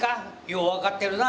よう分かってるな？